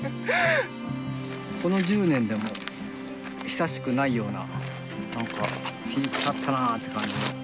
この１０年でも久しくないような「ピーク立ったな」って感じ。